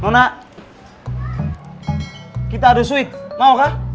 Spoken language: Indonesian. nona kita ada switch mau kah